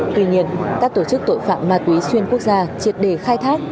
tuy nhiên các tổ chức tội phạm ma túy xuyên quốc gia triệt đề khai thác